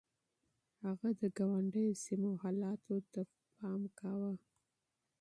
هغه د ګاونډيو سيمو حالاتو ته متوجه و.